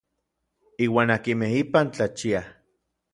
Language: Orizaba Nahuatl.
Iuan akinmej ipan tlachiaj.